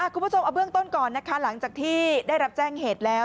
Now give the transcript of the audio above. คุณผู้ชมเอาเบื้องต้นก่อนนะคะหลังจากที่ได้รับแจ้งเหตุแล้ว